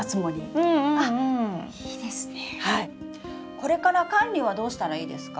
これから管理はどうしたらいいですか？